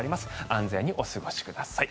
安全にお過ごしください。